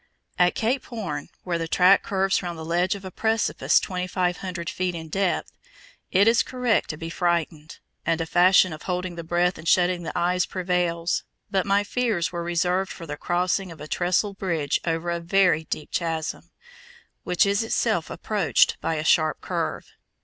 At Cape Horn, where the track curves round the ledge of a precipice 2,500 feet in depth, it is correct to be frightened, and a fashion of holding the breath and shutting the eyes prevails, but my fears were reserved for the crossing of a trestle bridge over a very deep chasm, which is itself approached by a sharp curve.